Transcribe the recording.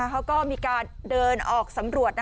เขาก็มีการเดินออกสำรวจ